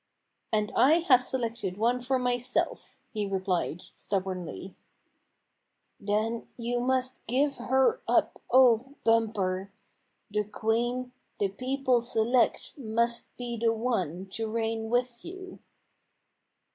"And I have selected one for myself!" he re plied, stubbornly. " Then you must give her up, O Bumper ! The queen the people select must be the one to reign with you."